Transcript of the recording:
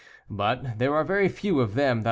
But there are very few of them that a.